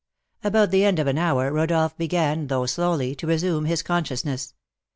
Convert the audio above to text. About the end of an hour Rodolph began, though slowly, to resume his consciousness.